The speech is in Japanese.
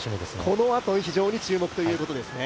このあと非常に注目ということですね。